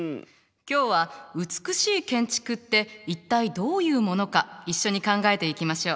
今日は美しい建築って一体どういうものか一緒に考えていきましょう。